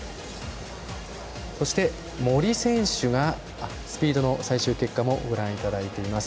そして、スピードの最終結果もご覧いただいています。